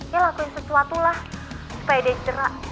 dia lakuin sesuatu lah supaya dia cerah